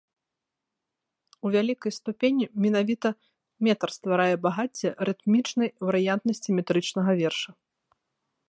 У вялікай ступені менавіта метр стварае багацце рытмічнай варыянтнасці метрычнага верша.